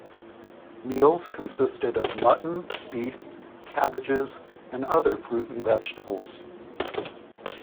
Meals consisted of mutton, beef, cabbages, and other fruit and vegetables.